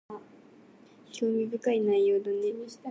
興味深い内容だね